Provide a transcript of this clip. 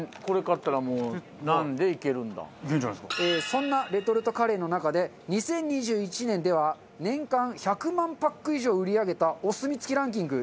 そんなレトルトカレーの中で２０２１年では年間１００万パック以上売り上げた「お墨付き」ランキング